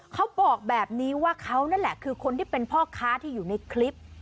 เขาบอกแบบนี้ว่าเขานั่นแหละคือคนที่เป็นพ่อค้าที่อยู่ในคลิป